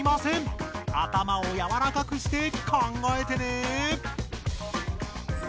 あたまをやわらかくして考えてね！